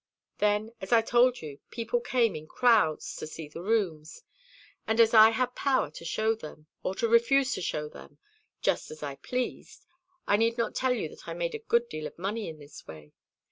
Then, as I told you, people came in crowds to see the rooms; and as I had power to show them, or to refuse to show them, just as I pleased, I need not tell you that I made a good deal of money in this way.